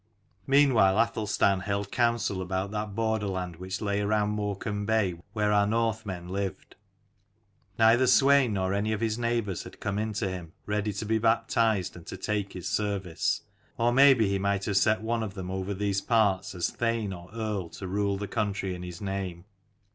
Meanwhile Athelstan held counsel about that borderland which lay around Morecambe Bay, where our Northmen lived. Neither Swein nor any of his neighbours had come in to him, ready to be baptized and to take his service : or maybe he might have set one of them over these parts as Thane or Earl, to rule the country in his name.